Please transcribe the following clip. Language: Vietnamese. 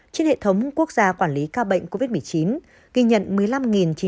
trên hệ thống quốc gia quản lý ca bệnh covid một mươi chín ghi nhận một mươi năm chín trăm ba mươi năm ca nhiễm mới